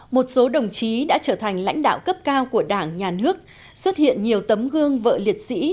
một số đồng chí đã trở thành lãnh đạo cấp cao của đảng nhà nước xuất hiện nhiều tấm gương vợ liệt sĩ